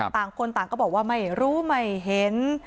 ต่างคนต่างก็บอกว่าไม่รู้ไม่เห็น